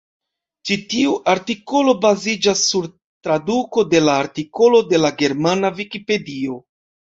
Ĉi-tiu artikolo baziĝas sur traduko de la artikolo de la germana vikipedio.